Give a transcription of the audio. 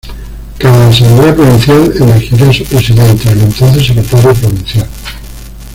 Cada Asamblea Provincial elegirá su Presidente y el entonces secretario provincial.